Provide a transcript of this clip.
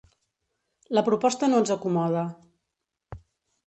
La proposta no ens acomoda.